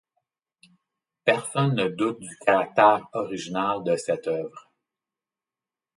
Personne ne doute du caractère original de cette œuvre.